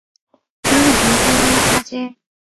真係咁衰咩，家姐？